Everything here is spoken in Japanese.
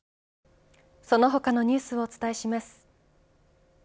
その他のニュースをお伝えします。